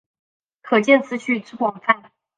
可见此曲之广泛。